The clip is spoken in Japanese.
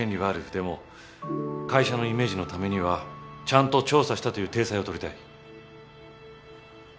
でも会社のイメージのためにはちゃんと調査したという体裁を取りたい。